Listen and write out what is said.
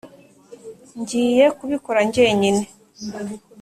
ngiye kubikora njyenyine.